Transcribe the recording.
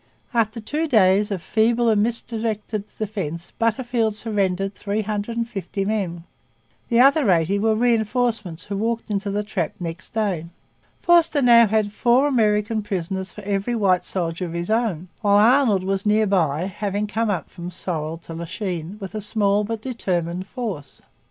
After two days of feeble and misdirected defence Butterfield surrendered three hundred and fifty men. The other eighty were reinforcements who walked into the trap next day. Forster now had four American prisoners for every white soldier of his own; while Arnold was near by, having come up from Sorel to Lachine with a small but determined force.